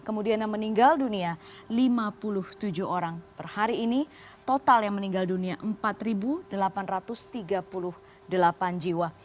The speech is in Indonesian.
kemudian yang meninggal dunia lima puluh tujuh orang per hari ini total yang meninggal dunia empat delapan ratus tiga puluh delapan jiwa